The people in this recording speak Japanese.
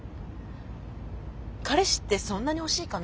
彼氏ってそんなに欲しいかな？